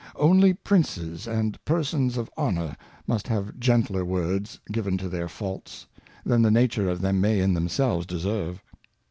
Only Princes and Persons of Honour must have gentler Words given to their Faults, than the nature of them may in themselves deserve.